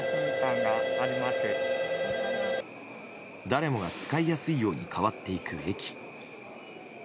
誰もが使いやすいように変わっていく駅。